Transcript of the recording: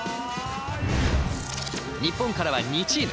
日本からは２チーム。